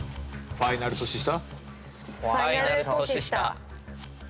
ファイナル年下。